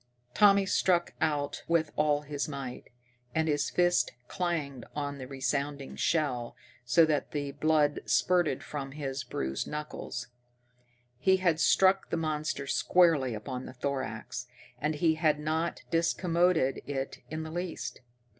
Tommy struck out with all his might, and his fist clanged on the resounding shell so that the blood spurted from his bruised knuckles. He had struck the monster squarely upon the thorax, and he had not discommoded it in the least.